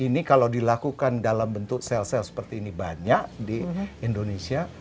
ini kalau dilakukan dalam bentuk sel sel seperti ini banyak di indonesia